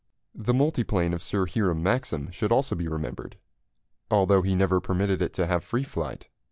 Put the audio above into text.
The multiplane of Sir Hiram Maxim should also be remembered, although he never permitted it to have free flight.